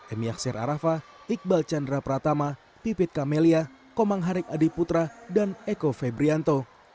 emy aksir arafa iqbal chandra pratama pipit kamelia komang harik adi putra dan eko febrianto